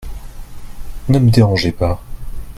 Ne me dérangez pas.